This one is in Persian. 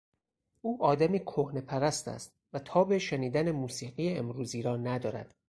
او آدمی کهنهپرست است و تاب شنیدن موسیقی امروزی را ندارد.